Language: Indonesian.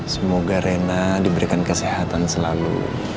semoga rena diberikan kesehatan selalu